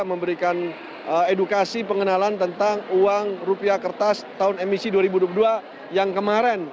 memberikan edukasi pengenalan tentang uang rupiah kertas tahun emisi dua ribu dua puluh dua yang kemarin